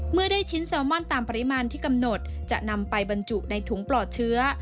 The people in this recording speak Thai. เมื่อได้ชิ้นแซลมอนตามปริมาณที่กำหนดจะนำไปบรรจุในถุงปลอดเชื้อ